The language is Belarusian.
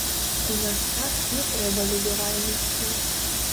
У наш час не трэба ліберальнасці.